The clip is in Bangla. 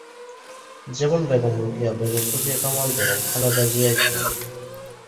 যেমন, বেগম রোকেয়া, বেগম সুফিয়া কামাল, বেগম খালেদা জিয়া ইত্যাদি।